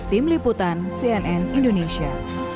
tim liputan cnn indonesia